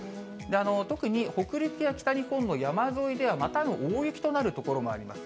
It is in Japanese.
特に北陸や北日本の山沿いではまた大雪となる所もあります。